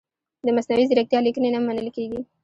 د مصنوعي ځیرکتیا لیکنې نه منل کیږي.